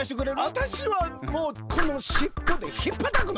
わたしはもうこのしっぽでひっぱったくのよ。